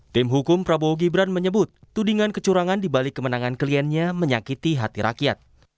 tim hukum prabowo gibran menyebut tudingan kecurangan dibalik kemenangan kliennya menyakiti hati rakyat